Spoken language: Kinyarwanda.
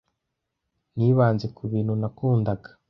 Nibanze ku bintu nakundaga.